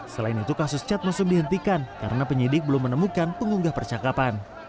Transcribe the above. selain itu kasus cat musuh dihentikan karena penyidik belum menemukan pengunggah percakapan